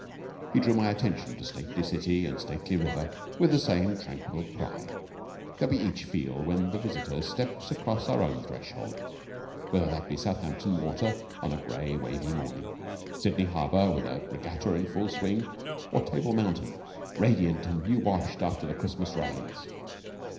He drew my attention to stately city and stately river with the same tranquil pride that we each feel when the visitor steps across our own threshold, whether that be Southampton Water on a grey, wavy morning; Sydney Harbour with a regatta in full swing; or Table Mountain, radiant and new washed after the Christmas rains.